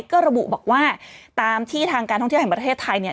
ก็ระบุบอกว่าตามที่ทางการท่องเที่ยวแห่งประเทศไทยเนี่ย